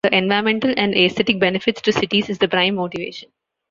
The environmental and aesthetic benefits to cities is the prime motivation.